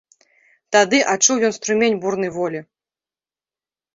Тады адчуў ён струмень бурнай волі.